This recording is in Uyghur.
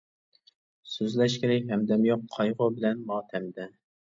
سۆزلەشكىلى ھەمدەم يوق، قايغۇ بىلەن ماتەمدە.